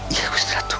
iya gusti ratu